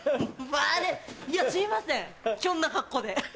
いやすいませんきょんな格好で。